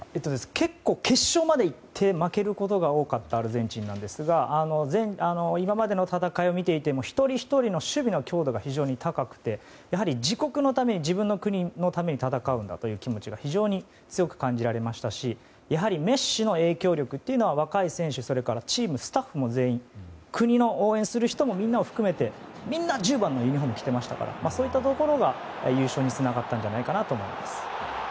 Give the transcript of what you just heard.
結構、決勝まで行って負けることが多くあったアルゼンチンなんですが今までの戦いを見ていても一人ひとりの守備の強度が非常に高くて自国のために自分のために戦うんだという気持ちが強く感じられましたしやはりメッシの影響力というのは若い選手そしてチーム、スタッフ全員全員、国の応援する人もみんな１０番のユニホームを着ていましたからそれが優勝につながったと思います。